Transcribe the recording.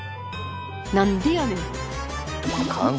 何でやねん！